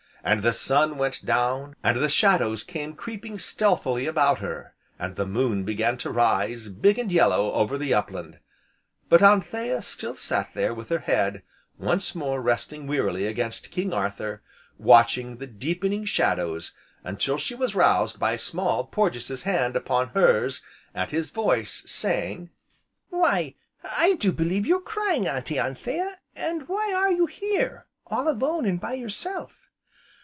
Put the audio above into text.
And the sun went down, and the shadows came creeping stealthily about her, and the moon began to rise, big and yellow, over the up land; but Anthea still sat there with her head, once more resting wearily against "King Arthur," watching the deepening shadows until she was roused by Small Porges' hand upon hers and his voice saying: "Why, I do believe you're crying, Auntie Anthea, an' why are you here all alone, an' by yourself?"